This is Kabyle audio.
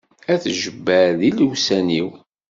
At Jebbal d ilewsan-iw.